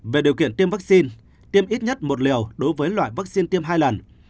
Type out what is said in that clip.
về điều kiện tiêm vaccine tiêm ít nhất một liều đối với loại vaccine tiêm hai lần